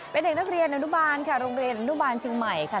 เป็นเด็กนักเรียนอนุบาลค่ะโรงเรียนอนุบาลเชียงใหม่ค่ะ